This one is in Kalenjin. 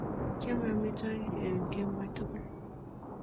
Kiamei amitwokik an kemoi tugul